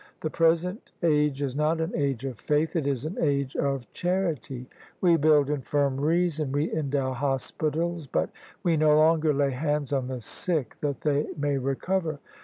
The present age is not an age of faith: it is an age of charity. We build infirmaries and we endow hospitals: but we no longer lay hands on the sick that they may recover.